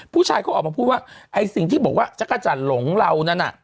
ผู้ชายเขาออกมาพูดว่าไอ้สิ่งที่บอกว่าจักรจันทร์หลงเรานั้นน่ะ